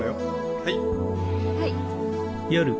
はい。